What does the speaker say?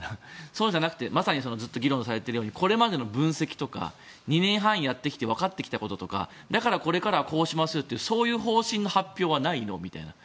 そうじゃなくて、まさにずっと議論されているようにこれまでの分析とか２年半やってきてわかってきたこととかだからこれからはこうしますというそういう方針の発表はないの？みたいな。